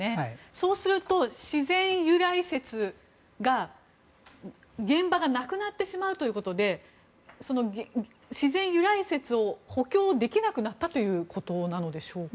そうすると自然由来説が現場がなくなってしまうということで自然由来説を補強できなくなったということでしょうか？